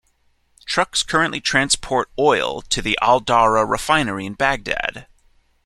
Trucks currently transport oil to the Al Daura refinery in Baghdad.